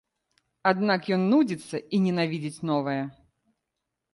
Аднак ён нудзіцца і ненавідзіць новае.